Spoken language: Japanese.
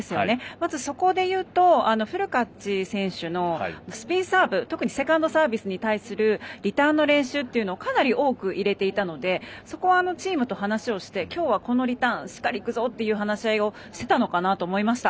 まずそこでいうとフルカッチ選手のスピンサーブセカンドサービスに対するリターンの練習をかなり多く入れていたのでそこはチームと話をして今日はこのリターンしっかり行くぞという話をしてたのかなと思いました。